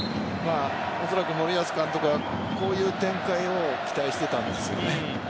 森保監督はこういう展開を期待していたんですよね。